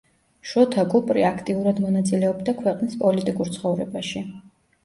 შოთა კუპრი აქტიურად მონაწილეობდა ქვეყნის პოლიტიკურ ცხოვრებაში.